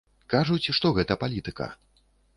Кажуць, што гэта палітыка.